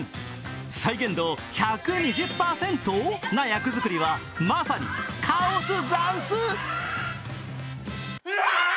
再現度１２０％？な役作りは、まさにカオスざんす。